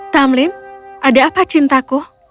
tamlin ada apa cintaku